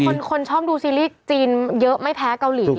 เพราะแต่คนชอบดูซีรีส์จีนเยอะไม่แพ้เกาหลีเลย